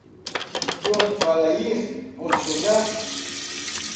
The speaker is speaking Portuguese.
Pronto para ir onde jogar